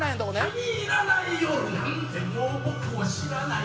「気に入らない夜なんてもう僕は知らない」